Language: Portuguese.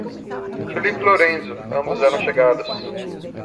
Felipe e Lorenzo, ambos eram chegados.